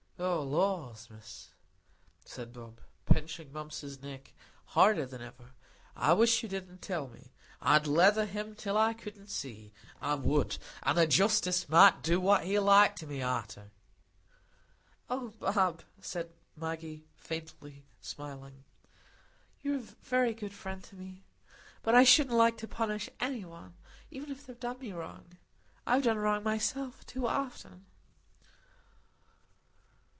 "Oh, lors, Miss," said Bob, pinching Mumps's neck harder than ever. "I wish you did, an' tell me; I'd leather him till I couldn't see—I would—an' the Justice might do what he liked to me arter." "Oh, Bob," said Maggie, smiling faintly, "you're a very good friend to me. But I shouldn't like to punish any one, even if they'd done me wrong; I've done wrong myself too often."